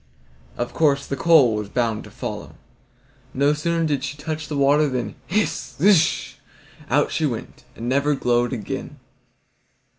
Of course, the coal was bound to follow. No sooner did she touch the water than hiss, zish! out she went, and never glowed again.